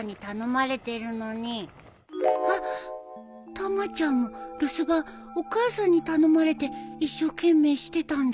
たまちゃんも留守番お母さんに頼まれて一生懸命してたんだ